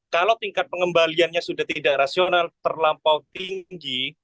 kalau tingkat pengembaliannya sudah tidak rasional terlampau tinggi